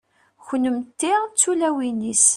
kunemti d tulawin-is